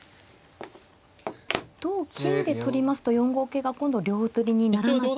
同金で取りますと４五桂が今度両取りにならなく。